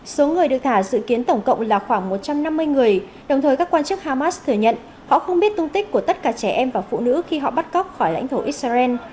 số người được thả dự kiến tổng cộng là khoảng một trăm năm mươi người đồng thời các quan chức hamas thừa nhận họ không biết tung tích của tất cả trẻ em và phụ nữ khi họ bắt cóc khỏi lãnh thổ israel